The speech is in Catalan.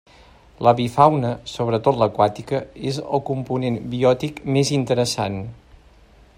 L'avifauna, sobretot l'aquàtica, és el component biòtic més interessant.